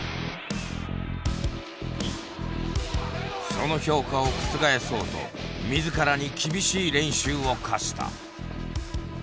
その評価を覆そうと自らに厳しい練習を課した。